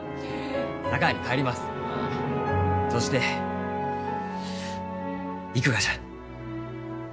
そして行くがじゃ。